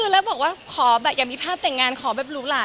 จะบอกอย่าขอแต่งงานขอเรื่องแบบลุลา